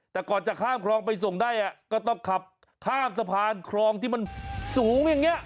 แต่ก่อนจะข้ามคลองไปส่งได้ก็ต้องขับข้ามสะพานคลองที่มันสูงอย่างนี้